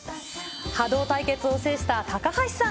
ハドー対決を制した高橋さん。